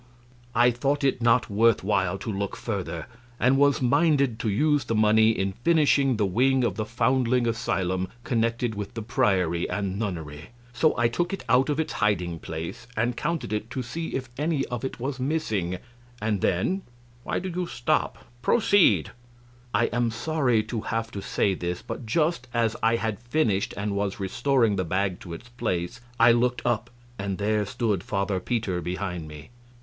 A. I thought it not worth while to look further, and was minded to use the money in finishing the wing of the foundling asylum connected with the priory and nunnery. So I took it out of its hiding place and counted it to see if any of it was missing. And then Q. Why do you stop? Proceed. A. I am sorry to have to say this, but just as I had finished and was restoring the bag to its place, I looked up and there stood Father Peter behind me.